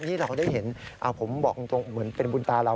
ที่เราได้เห็นผมบอกตรงเหมือนเป็นบุญตาเรา